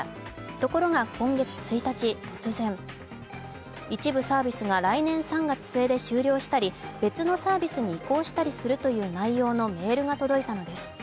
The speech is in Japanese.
ところが今月１日、突然一部サービスが来年３月末で終了したり別のサービスに移行したりするという内容のメールが届いたのです。